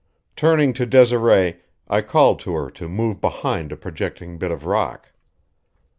Turning to Desiree, I called to her to move behind a projecting bit of rock.